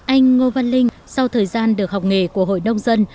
anh ngô văn linh sau thời gian được học nghề của hội nông dân